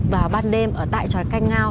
vào ban đêm ở tại tròi canh ngao